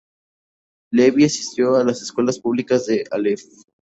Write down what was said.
Levy asistió a las Escuelas Públicas de Alef.